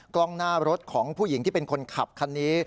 กล้องหน้ารถของผู้หญิงที่เป็นคนขับคันนี้